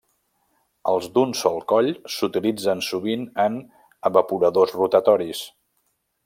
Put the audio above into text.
Els d'un sol coll s'utilitzen sovint en evaporadors rotatoris.